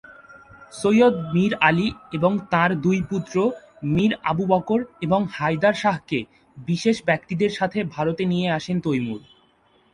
সৈয়দ মীর আলী এবং তাঁর দুই পুত্র "মীর আবু বকর" এবং "হায়দার শাহকে" বিশেষ ব্যক্তিদের সাথে ভারতে নিয়ে আসেন তৈমুর।